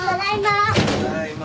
ただいま。